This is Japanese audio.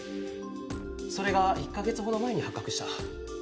それが１か月ほど前に発覚した。